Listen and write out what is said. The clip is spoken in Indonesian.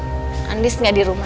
tante andis gak di rumah